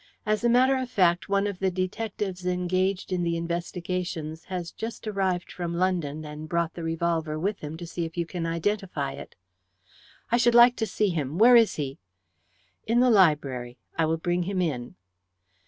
As a matter of fact, one of the detectives engaged in the investigations has just arrived from London and brought the revolver with him to see if you can identify it." "I should like to see him. Where is he?" "In the library. I will bring him in."